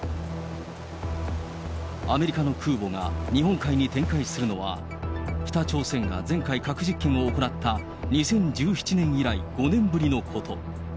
アメリカの空母が日本海に展開するのは、北朝鮮が前回、核実験を行った、２０１７年以来、５年ぶりのこと。